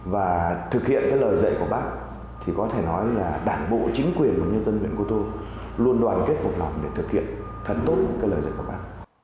và thực hiện lời dạy của bác thì có thể nói là đảng bộ chính quyền của người dân huyện cô tô luôn đoàn kết phục lòng để thực hiện thật tốt lời dạy của bác